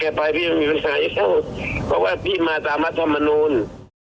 แก้ไปไม่มีปัญหาอยู่เข้าเพราะว่าพี่มาตามรัฐธรรมนุม